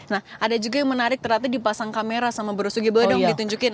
nah ada juga yang menarik ternyata dipasang kamera sama bro sugi boleh dong ditunjukin